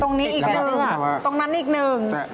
ตรงนี้อีกด้วยตรงนั้นอีกหนึ่ง